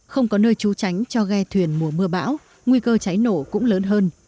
không có nơi trú tránh cho ghe thuyền mùa mưa bão nguy cơ cháy nổ cũng lớn hơn